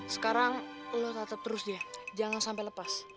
sekarang allah tetap terus dia jangan sampai lepas